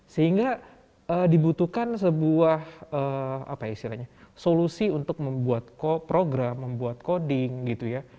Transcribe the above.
sehingga dibutuhkan sebuah solusi untuk membuat program membuat coding gitu ya